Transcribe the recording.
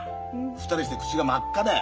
２人して口が真っ赤だよ。